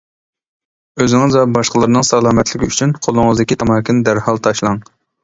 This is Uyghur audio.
ئۆزىڭىز ۋە باشقىلارنىڭ سالامەتلىكى ئۈچۈن قولىڭىزدىكى تاماكىنى دەرھال تاشلاڭ!